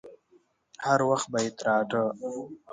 هر وخت به يې تراټه.